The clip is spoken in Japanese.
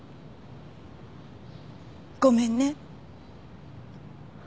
ごめんね。